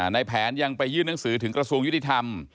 ในแผนยังไปยื่นหนังสือถึงกระทรวงยุติธรรม